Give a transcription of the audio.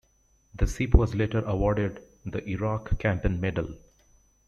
The ship was later awarded the Iraq Campaign Medal.